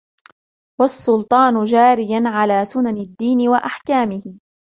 وَالسُّلْطَانُ جَارِيًا عَلَى سُنَنِ الدِّينِ وَأَحْكَامِهِ